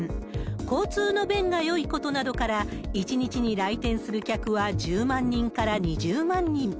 交通の便がよいことなどから、１日に来店する客は１０万人から２０万人。